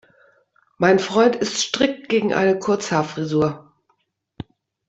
Mein Freund ist strikt gegen eine Kurzhaarfrisur.